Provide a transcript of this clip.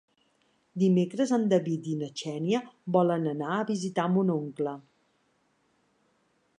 Dimecres en David i na Xènia volen anar a visitar mon oncle.